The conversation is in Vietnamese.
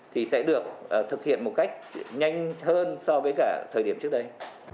thì sẽ được thực hiện một cách nhanh hơn so với cả thời điểm trước đây